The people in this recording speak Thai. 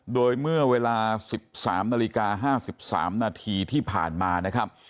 โดยเมื่อเวลา๑๓นาฬิกา๕๓นาทีที่ผ่านมานะครับ